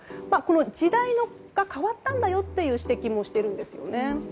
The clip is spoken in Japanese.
時代が変わったんだよという指摘もしているんですよね。